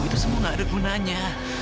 itu semua tidak ada gunanya